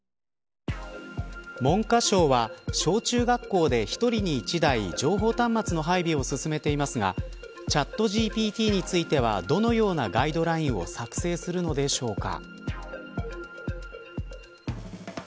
文科省は小中学校で１人に１台情報端末の配備を進めていますがチャットＧＰＴについてはどのようなガイドラインを作成するのでしょうか。